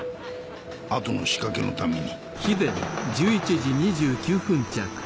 あとの仕掛けのために。